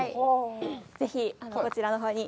ぜひ、こちらのほうに。